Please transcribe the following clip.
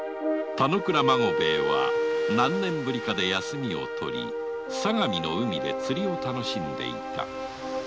田之倉孫兵衛は何年ぶりかで休みをとり相模の海で釣りを楽しんでいた。